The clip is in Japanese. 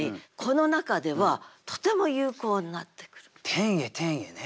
「天へ天へ」ね。